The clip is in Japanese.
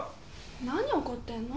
何怒ってんの？